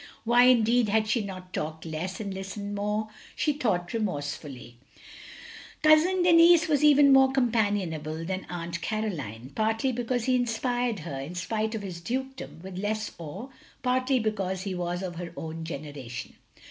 Why, indeed, had she not talked less and listened more? she thought remorsefully. , Cousin Denis was even more companionable than Aunt Caroline, partly because he inspired OP GROSVENOR SQUARE 149 her, in spite of his dtikedom, with less awe, partly because he was of her own generation.